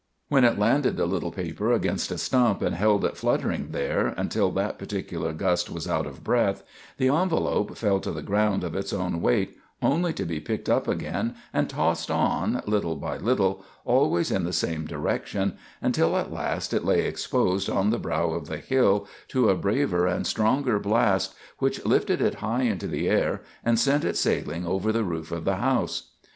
When it landed the little paper against a stump and held it fluttering there until that particular gust was out of breath, the envelop fell to the ground of its own weight, only to be picked up again and tossed on, little by little, always in the same direction, until at last it lay exposed on the brow of the hill to a braver and stronger blast, which lifted it high into the air and sent it sailing over the roof of the house.